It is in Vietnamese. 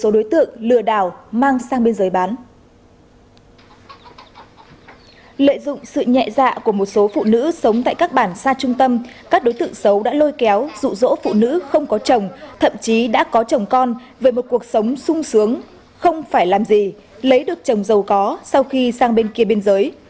lợi dụng sự nhẹ dạ của một số phụ nữ sống tại các bản xa trung tâm các đối tượng xấu đã lôi kéo dụ dỗ phụ nữ không có chồng thậm chí đã có chồng con về một cuộc sống sung sướng không phải làm gì lấy được chồng giàu có sau khi sang bên kia biên giới